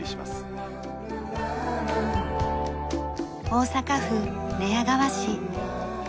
大阪府寝屋川市。